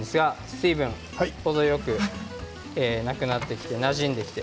水分が程よくなくなってなじんできて。